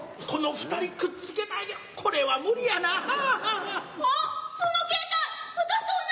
この二人くっつけたいけどこれは無理やなぁ。